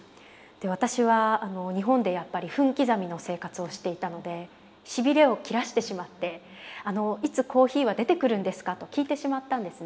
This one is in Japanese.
私は日本でやっぱり分刻みの生活をしていたのでしびれを切らしてしまって「あのいつコーヒーは出てくるんですか」と聞いてしまったんですね。